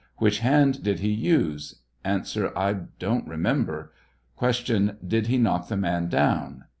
Which hand did he use? A. I don't remember. Q. Did he knock the man down?